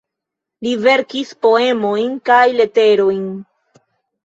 Li verkis poemojn kaj leterojn.